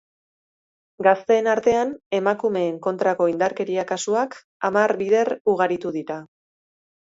Gazteen artean, emakumeen kontrako indarkeria kasuak hamar bider ugaritu dira.